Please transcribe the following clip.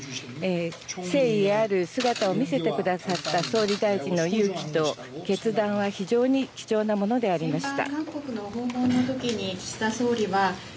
誠意ある姿を見せてくださった総理大臣の勇気と決断は非常に貴重なものでありました。